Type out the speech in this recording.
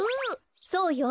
そうよ。